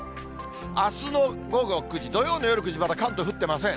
あすの午後９時、土曜の夜９時、まだ関東降ってません。